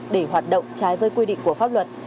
để hoạt động trái với quy định của pháp luật